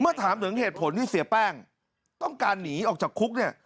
ถามถึงเหตุผลที่เสียแป้งต้องการหนีออกจากคุกเนี่ย